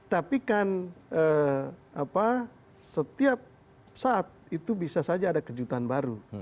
tapi kan setiap saat itu bisa saja ada kejutan baru